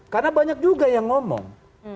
karena banyak juga yang ngomong